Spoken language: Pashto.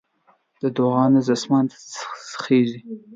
د دعا غږ اسمان ته خېژي